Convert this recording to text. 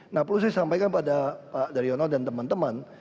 nah perlu saya sampaikan pada pak daryono dan teman teman